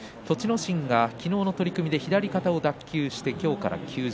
心が昨日の取組で左肩を脱臼して今日から休場。